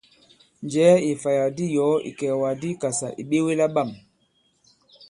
Njɛ̀ɛ ì ìfàyàk di i yɔ̀ɔ ìkɛ̀ɛ̀wàk di i Ikàsà ì ɓewe la bâm!